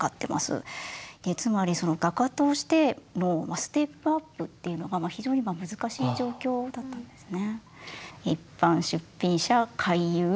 つまり画家としてのステップアップっていうのが非常に難しい状況だったんですね。